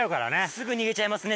すぐ逃げちゃいますね